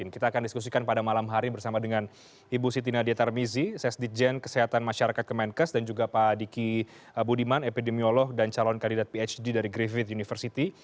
kita akan diskusikan pada malam hari bersama dengan ibu siti nadia tarmizi sesditjen kesehatan masyarakat kemenkes dan juga pak diki budiman epidemiolog dan calon kandidat phd dari griffith university